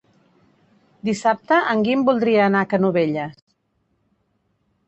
Dissabte en Guim voldria anar a Canovelles.